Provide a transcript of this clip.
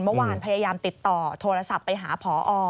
เมื่อวานพยายามติดต่อโทรศัพท์ไปหาพอ